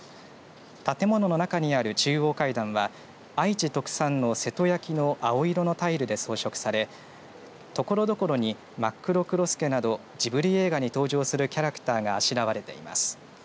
建物の中にある中央階段は愛知特産の瀬戸焼の青色のタイルで装飾されところどころにまっくろくろすけなどジブリ映画に登場するキャラクターがあしらわれています。